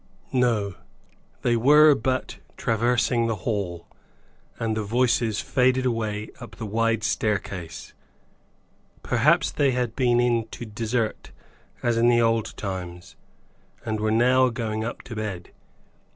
No; they were but traversing the hall, and the voices faded away up the wide staircase. Perhaps they had been in to desert, as in the old times, and were now going up to bed.